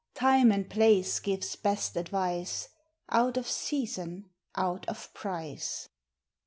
Time and place gives best advice. Out of season, out of price.